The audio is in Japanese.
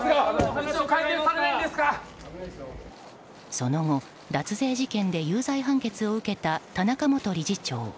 その後、脱税事件で有罪判決を受けた田中元理事長。